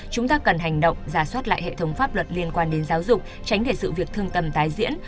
chúng ta cần hành động giả soát lại hệ thống pháp luật liên quan đến giáo dục tránh để sự việc thương tâm tái diễn